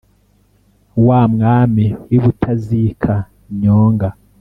Wa mwami w’i Butazika, Nyonga,